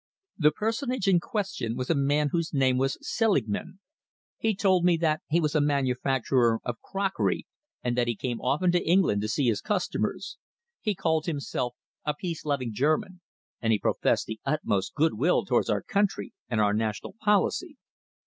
"The personage in question was a man whose name was Selingman. He told me that he was a manufacturer of crockery and that he came often to England to see his customers. He called himself a peace loving German, and he professed the utmost good will towards our country and our national policy.